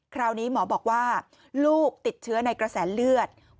คราวนี้หมอบอกว่าลูกติดเชื้อในกระแสเลือด